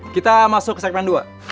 kita masuk ke segmen dua